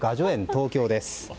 東京です。